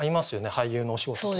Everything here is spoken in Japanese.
俳優のお仕事と。